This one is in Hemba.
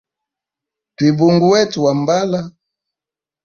Twibunge kuu wetu wambala.